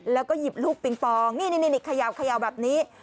แล้วก็หยิบลูกปิงปองนี่เขย่าแบบนี้